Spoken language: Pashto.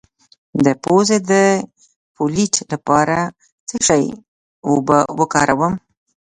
د پوزې د پولیت لپاره د څه شي اوبه وکاروم؟